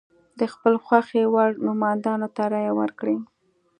د خپل خوښې وړ نوماندانو ته رایه ورکړي.